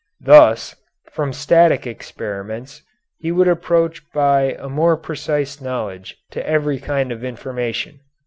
Thus, from static experiments, he would approach by a more precise knowledge to every kind of information.